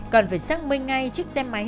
cần phải xác minh ngay chiếc xe máy